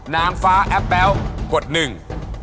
นางฟ้าแอปแบ๊วกดหนึ่ง